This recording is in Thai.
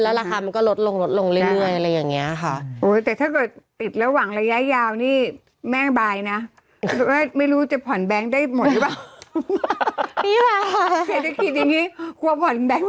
ราคามันก็ลดลงลดลงเรื่อยอะไรอย่างนี้ค่ะ